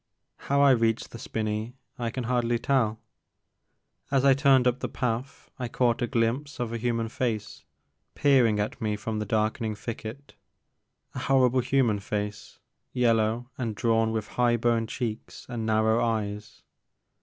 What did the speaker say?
How I reached the spinney I can hardly tell. As I turned up the path I caught a glimpse of a human face peer ing at me from the darkening thicket, — a horrible human face, yellow and drawn with high boned cheeks and narrow eyes.